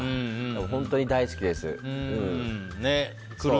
本当に大好きです。